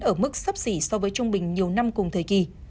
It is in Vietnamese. ở mức sấp xỉ so với trung bình nhiều năm cùng thời kỳ